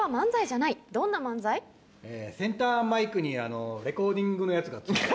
センターマイクにレコーディングのやつが付いてる。